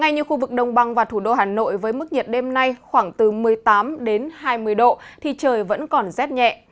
như khu vực đông băng và thủ đô hà nội với mức nhiệt đêm nay khoảng từ một mươi tám đến hai mươi độ thì trời vẫn còn rét nhẹ